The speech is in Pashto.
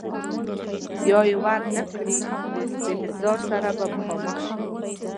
یا یې ور نه کړي د استیضاح سره به مخامخ شي.